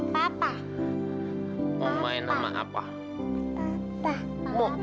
bisa aku gak mau biasain dia pakai ac terus